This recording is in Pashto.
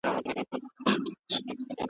يو له بله يې وهلي وه جگړه وه .